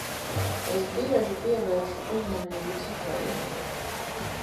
Es bieži pievēršu uzmanību cipariem.